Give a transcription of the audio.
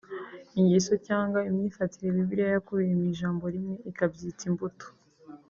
ingeso cyangwa imyifatire Bibiliya yakubiye mu ijambo rimwe ikabyita “imbuto